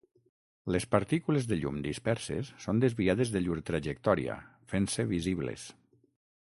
Les partícules de llum disperses són desviades de llur trajectòria, fent-se visibles.